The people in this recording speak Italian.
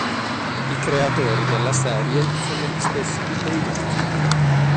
I creatori della serie sono gli stessi di "Baywatch".